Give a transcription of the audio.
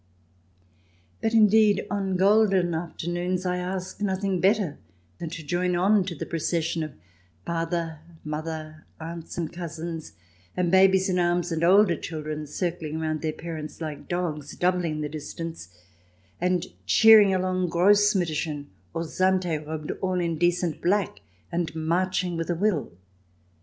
But, indeed, on golden afternoons I ask nothing better than to join on to the procession of father, mother, aunts and cousins, and babies in arms, and older children circling round their parents like dogs doubling the distance, and cheering along Gross Mutterchen or Xante, robed all in decent black, and marching with a will.